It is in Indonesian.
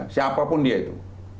siapa pun dia itu